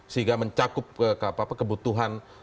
sehingga mencakup kebutuhan